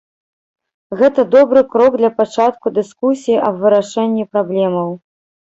Гэта добры крок для пачатку дыскусіі аб вырашэнні праблемаў.